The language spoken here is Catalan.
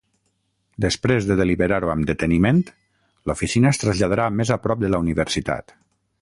Després de deliberar-ho amb deteniment, l'oficina es traslladarà més a prop de la universitat.